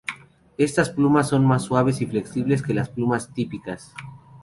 Estas plumas son más suaves y flexibles que las plumas típicas.